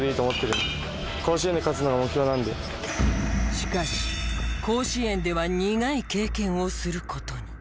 しかし甲子園では苦い経験をする事に。